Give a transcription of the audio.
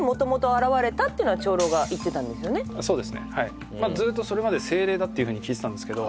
そうですねはいずっとそれまで精霊だっていうふうに聞いてたんですけど